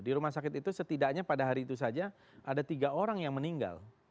di rumah sakit itu setidaknya pada hari itu saja ada tiga orang yang meninggal